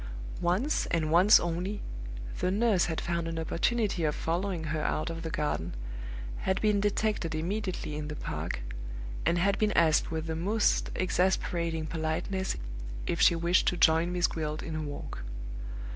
Once and once only, the nurse had found an opportunity of following her out of the garden, had been detected immediately in the park, and had been asked with the most exasperating politeness if she wished to join Miss Gwilt in a walk.